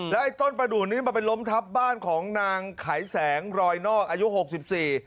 และต้นประดูกนี้มาเป็นลมทับบ้านของนางขายแสงรอยนอกอายุ๖๔ปี